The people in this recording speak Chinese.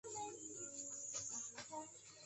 劳动底层